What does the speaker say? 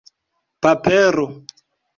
papero